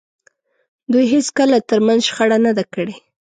دوی هېڅکله تر منځ شخړه نه ده کړې.